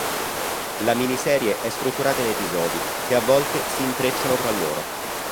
La miniserie è strutturata in episodi, che a volte si intrecciano tra loro.